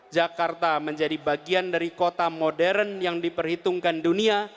jakarta menjadi bagian dari kota modern yang diperhitungkan dunia